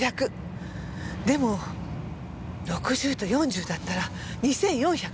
でも６０と４０だったら２４００。